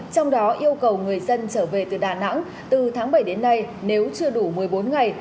trong đó yêu cầu người dân trở về từ đà nẵng từ tháng bảy đến nay nếu chưa đủ một mươi bốn ngày